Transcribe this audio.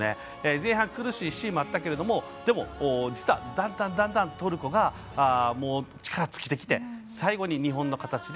前半苦しいシーンがあったんだけどだんだん、だんだんトルコが力尽きてきて最後に、日本の形で